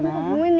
mas fm kebumen ya